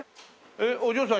えっお嬢さん